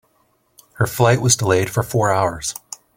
Her flight was delayed for four hours.